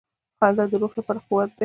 • خندا د روح لپاره قوت دی.